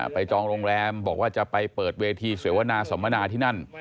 จองโรงแรมบอกว่าจะไปเปิดเวทีเสวนาสมนาที่นั่น